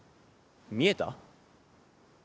見えた？